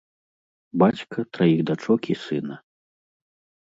Бацька траіх дачок і сына.